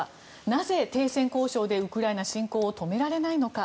なぜ停戦交渉でウクライナ侵攻を止められないのか。